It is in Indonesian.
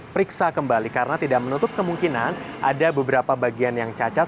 periksa kembali karena tidak menutup kemungkinan ada beberapa bagian yang cacat